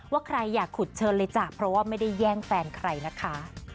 ว่าใครอยากขุดเชิญเลยจ้ะเพราะว่าไม่ได้แย่งแฟนใครนะคะ